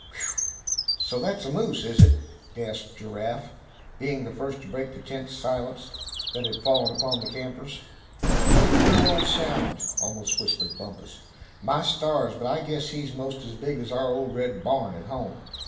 "Whew! so that's a moose, is it?" gasped Giraffe, being the first to break the tense silence that had fallen upon the campers. "What a queer old sound," almost whispered Bumpus. "My stars! but I guess he's most as big as our old red barn at home.